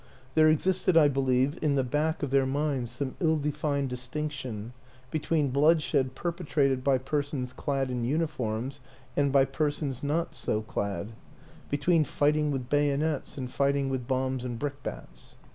There existed, I believe, in the back of their minds some ill defined distinction between bloodshed per petrated by persons clad in uniform and by per sons not so clad between fighting with bayonets and fighting with bombs and brickbats.